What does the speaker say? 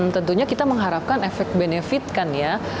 tentunya kita mengharapkan efek benefit kan ya